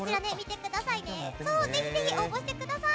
ぜひ、応募してください。